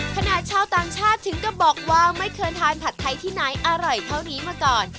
ชาวต่างชาติถึงกับบอกว่าไม่เคยทานผัดไทยที่ไหนอร่อยเท่านี้มาก่อน